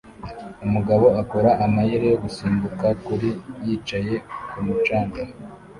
Umugabo akora amayeri yo gusimbuka kuri yicaye kumu canga